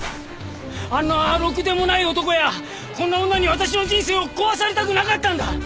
あんなろくでもない男やこんな女に私の人生を壊されたくなかったんだ！